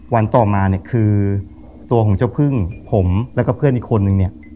วันต่อมาคือตัวของเจ้าพึ่งผมแล้วก็เพื่อนอีกคนนึง